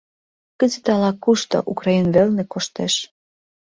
Кызыт ала-кушто, Украин велне, коштеш.